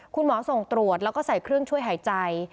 คุณหมอส่งตรวจแล้วก็ใส่เครื่องช่วยหายใจ